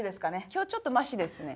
今日ちょっとマシですね。